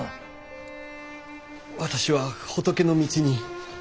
私は仏の道に。